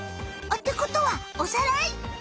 あってことはおさらい？